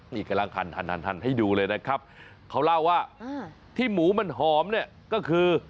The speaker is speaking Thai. นี่กำลังคันให้ดูเลยนะครับเขาเล่าว่าที่หมูมันหอมเนี่ยก็คือ